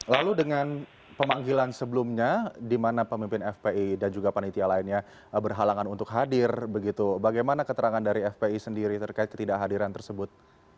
lalu dengan pemanggilan sebelumnya di mana pemimpin fpi dan juga panitia lainnya berhalangan untuk hadir begitu bagaimana keterangan dari fpi sendiri terkait ketidakhadiran tersebut